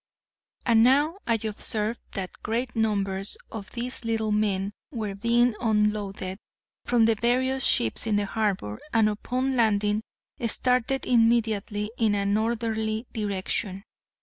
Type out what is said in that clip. And now I observed that great numbers of these little men were being unloaded from the various ships in the harbor, and upon landing started immediately in a northerly direction.